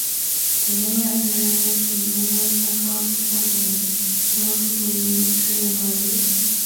The name appears in many Scottish placenames, notably Kirriemuir.